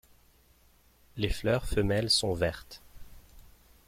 Les fleurs femelles sont vertes.